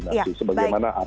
sebagai mana arahan pak odo